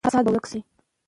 فساد به ورک شي.